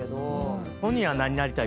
本人は何になりたい？